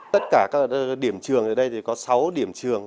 tất cả các điểm trường ở đây có sáu điểm trường